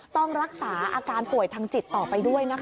ต้องรักษาอาการป่วยทางจิตต่อไปด้วยนะคะ